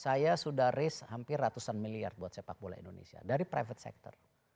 saya sudah risk hampir ratusan miliar buat sepak bola indonesia dari private sector